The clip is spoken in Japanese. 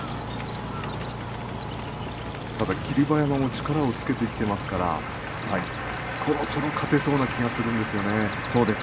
ただ霧馬山も力をつけてきていますからそろそろ勝てそうな気がするんですよね。